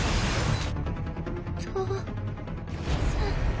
父さん。